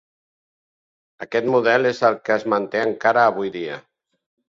Aquest model és el que es manté encara avui dia.